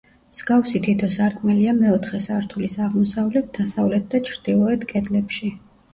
მსგავსი თითო სარკმელია მეოთხე სართულის აღმოსავლეთ, დასავლეთ და ჩრდილოეთ კედლებში.